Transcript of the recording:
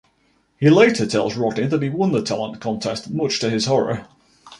He later tells Rodney that he won the talent contest, much to his horror.